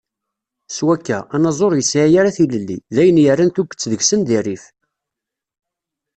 S wakka, anaẓur ur yesɛi ara tilelli, d ayen yerran tuget deg-sen di rrif.